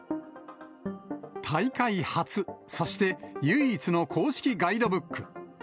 大会初、そして唯一の公式ガイドブック。